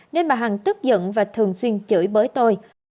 nên bà hằng tức giận và thường xuyên chửi bới tôi